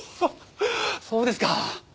そうですか！